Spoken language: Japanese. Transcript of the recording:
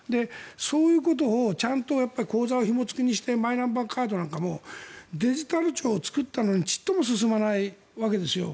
そういうことをちゃんと口座をひも付きにしてマイナンバーカードなんかもデジタル庁を作ったのにちっとも進まないわけです。